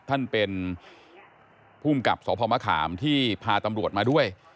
ท่านเป็นภูมิกับสพมะขามที่พาตำรวจมาด้วย